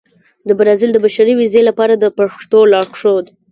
د برازيل د بشري ویزې لپاره د پښتو لارښود